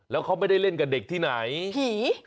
แล้วเขาไม่ได้เล่นกับเด็กที่ไหนผี